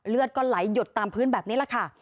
เลือดก็ไหลหยดตามพื้นแบบนี้แหละค่ะ